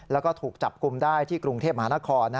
แล้วก็ถูกจับกลุ่มได้ที่กรุงเทพมหานคร